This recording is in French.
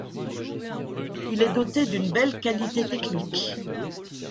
Il est doté d'une belle qualité technique.